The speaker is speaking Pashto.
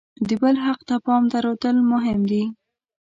د بل حق ته پام درلودل مهم دي.